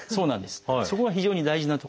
そこが非常に大事なところで。